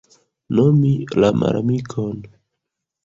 Nomi la malamikon.